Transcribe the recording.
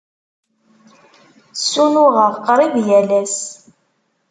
Ssunuɣeɣ qrib yal ass.